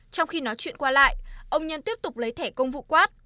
trong khi nói chuyện qua lại ông nhân tiếp tục lấy thẻ công vụ quát